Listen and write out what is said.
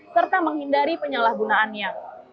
serta menghindari penyalahgunaannya